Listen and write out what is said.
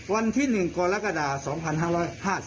วันที่หนึ่งกรกฎา๒๕๕๖ค่ะ